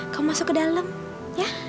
kau masuk ke dalam ya